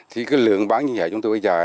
thì cái lượng bán như vậy chúng tôi bây giờ